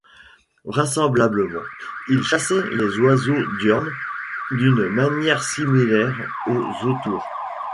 Vraisemblablement, il chassait les oiseaux diurnes d'une manière similaire aux autours.